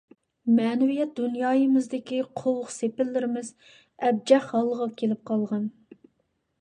مەنىۋىيەت دۇنيايىمىزدىكى قوۋۇق - سېپىللىرىمىز ئەبجەق ھالغا كېلىپ قالغان.